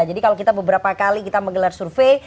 jadi kalau kita beberapa kali kita menggelar survei